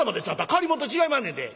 借りもんと違いまんねんで」。